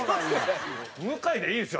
「向」でいいんですよ